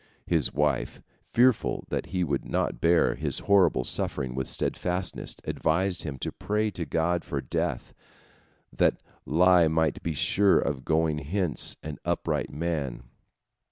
" His wife, fearful that he would not bear his horrible suffering with steadfastness, advised him to pray to God for death, that lie might be sure of going hence an upright man.